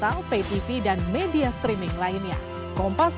dapat juga kewenangan khusus